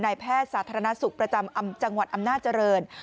แพทย์สาธารณสุขประจำจังหวัดอำนาจริง